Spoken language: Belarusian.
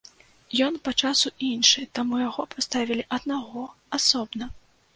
Ён па часу іншы, таму яго паставілі аднаго, асобна.